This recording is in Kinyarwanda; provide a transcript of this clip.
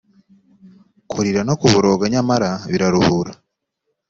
kurira no kuboroga nyamara biraruhura